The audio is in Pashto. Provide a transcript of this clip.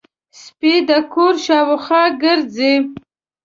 سپي د کور شاوخوا ګرځي.